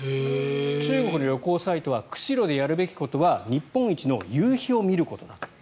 中国の旅行サイトは釧路でやるべきことは日本一の夕日を見ることだと。